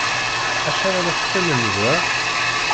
Acḥal ara teqqimem da?